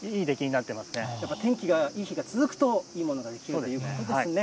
やっぱいい天気の日が続くと、いいものができるということですね。